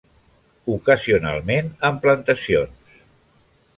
Ocasionalment en plantacions.